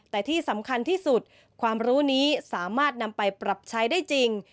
แต่ที่สำคัญที่สุดความรู้นี้สามารถนำไปปรับใช้ได้จริง